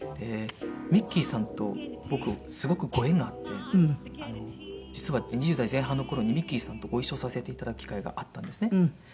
ミッキーさんと僕すごくご縁があって実は２０代前半の頃にミッキーさんとご一緒させていただく機会があったんですね。